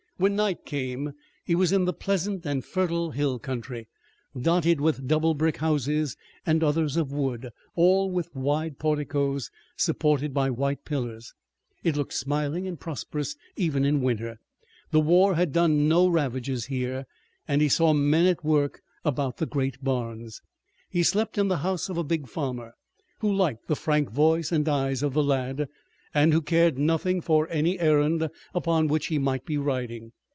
When night came he was in the pleasant and fertile hill country, dotted with double brick houses, and others of wood, all with wide porticos, supported by white pillars. It looked smiling and prosperous even in winter. The war had done no ravages here, and he saw men at work about the great barns. He slept in the house of a big farmer, who liked the frank voice and eyes of the lad, and who cared nothing for any errand upon which he might be riding.